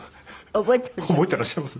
覚えていらっしゃいます？